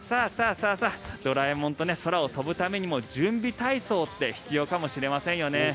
ドラえもんと空を飛ぶためにも準備体操が必要かもしれませんよね。